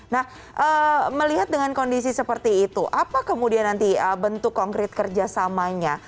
nah melihat dengan kondisi seperti itu apa kemudian nanti bentuk konkret kerjasamanya